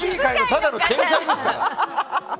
ただの天才ですから！